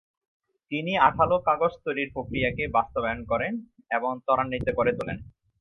তিনি আঠালো কাগজ তৈরির প্রক্রিয়াকে বাস্তবায়ন করেন এবং তরান্বিতও করে তোলেন।